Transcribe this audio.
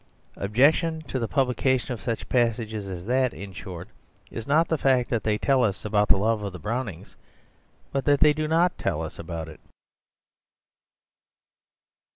Objection to the publication of such passages as that, in short, is not the fact that they tell us about the love of the Brownings, but that they do not tell us about it.